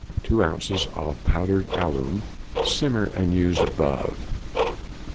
2 ounces of powdered alum. Simmer and use as above. (3).